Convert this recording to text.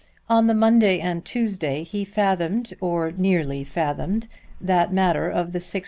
On the Monday and Tuesday he fathomed, or nearly fathomed, that matter of the 7_s.